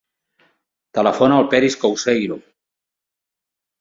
Telefona al Peris Couceiro.